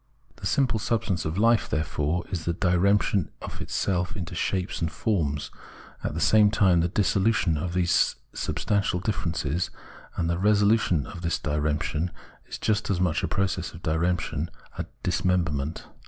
The simple substance of life, therefore, is the diremption of itself into shapes and forms, and at the same time the dissolution of these substantial differences ; and the resolution of this diremption is just as much a process of diremption, a dismemberment.